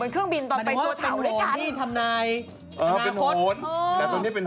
แอลกที่สุดแล้ว